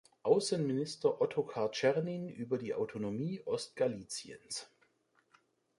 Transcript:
Außenminister Ottokar Czernin über die Autonomie Ostgaliziens.